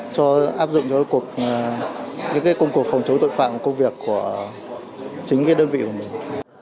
cho áp dụng cho những công cuộc phòng chống tội phạm công việc của chính đơn vị của mình